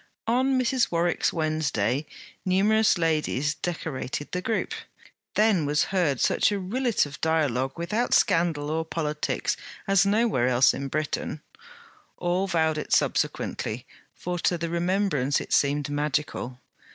On Mrs. Warwick's Wednesday numerous ladies decorated the group. Then was heard such a rillet of dialogue without scandal or politics, as nowhere else in Britain; all vowed it subsequently; for to the remembrance it seemed magical.